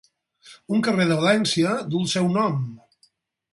Un carrer de València duu el seu nom.